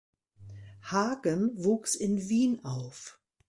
Haagen wuchs in Wien auf.